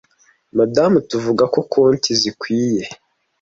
madamu tuvuga ko konti zikwiye